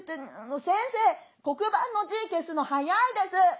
先生黒板の字消すの早いです」。